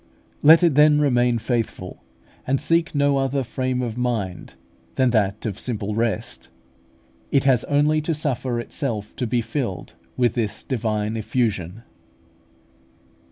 Let it then remain faithful, and seek no other frame of mind than that of simple rest. It has only to suffer itself to be filled with this divine effusion.